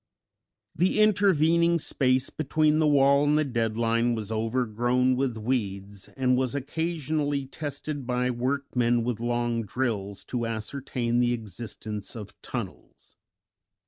The intervening space between the wall and the dead line was overgrown with weeds, and was occasionally tested by workmen with long drills to ascertain the existence of tunnels.